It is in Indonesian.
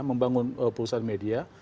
membangun perusahaan media